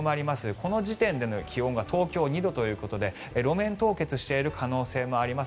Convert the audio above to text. この時点での気温が東京２度ということで路面凍結している可能性もあります。